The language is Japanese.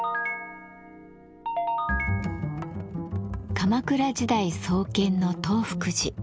鎌倉時代創建の東福寺。